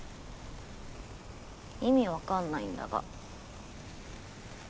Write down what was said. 意味分かんないんだが。